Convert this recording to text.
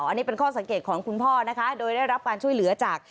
อันนี้เป็นข้อสังเกตของคุณพ่อนะคะโดยได้รับการช่วยเหลือจาก